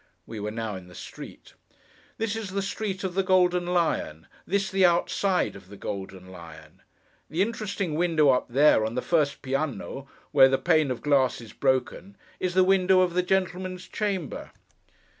We were now in the street. 'This is the street of the Golden Lion. This, the outside of the Golden Lion. The interesting window up there, on the first Piano, where the pane of glass is broken, is the window of the gentleman's chamber!